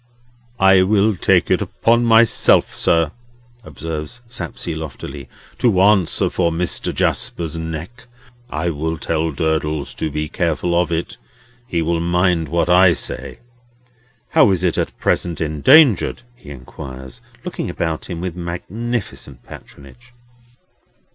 "I will take it upon myself, sir," observes Sapsea loftily, "to answer for Mr. Jasper's neck. I will tell Durdles to be careful of it. He will mind what I say. How is it at present endangered?" he inquires, looking about him with magnificent patronage.